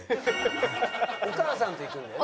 お母さんと行くんだよね？